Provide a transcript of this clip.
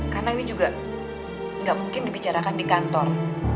karena ini juga nggak mungkin dibicarakan di kantor